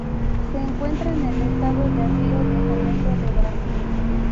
Se encuentra en el Estado de Río de Janeiro de Brasil.